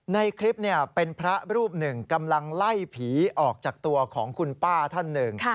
ในคลิปเป็นพระรูปหนึ่งกำลังไล่ผีออกจากตัวของคุณป้าท่านหนึ่ง